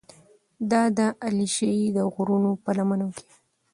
دا دره د علیشي د غرونو په لمنو کې